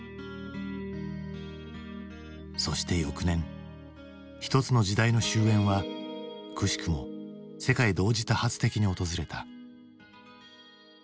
そして翌年一つの時代の終焉はくしくも世界同時多発的に訪れた。